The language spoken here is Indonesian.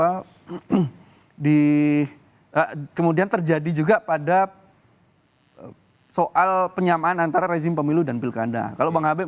hai di kemudian terjadi juga pada soal penyamaan antara rezim pemilu dan pilkada kalau bang habib